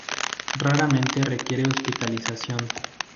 Raramente requiere hospitalización.